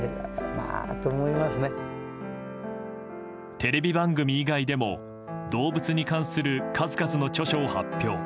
テレビ番組以外でも動物に関する数々の著書を発表。